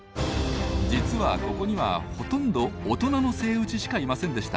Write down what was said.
実はここにはほとんど大人のセイウチしかいませんでした。